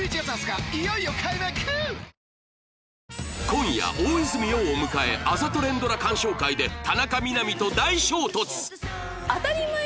今夜大泉洋を迎えあざと連ドラ鑑賞会で田中みな実と大衝突！